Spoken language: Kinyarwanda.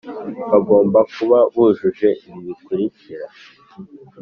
Bagomba kuba bujuje ibi bikurikira